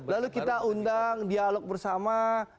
lalu kita undang dialog bersama